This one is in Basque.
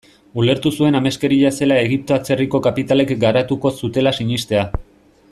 Ulertu zuen ameskeria zela Egipto atzerriko kapitalek garatuko zutela sinestea.